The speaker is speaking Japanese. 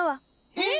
えっ？